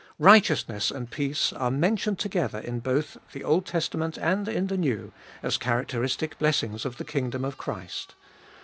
Righteousness and peace are mentioned together both in the Old Testament and in the New as characteristic blessings of the kingdom of Christ.